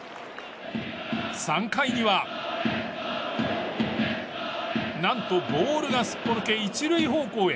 ３回には何とボールがすっぽ抜け１塁方向へ。